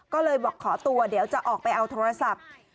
ก็เลยบอกขอตัวเดี๋ยวจะออกไปเอาโทรศัพท์